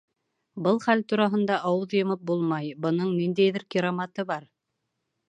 — Был хәл тураһында ауыҙ йомоп булмай, бының ниндәйҙер кираматы бар!